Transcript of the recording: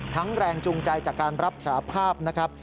แรงจูงใจจากการรับสาภาพนะครับ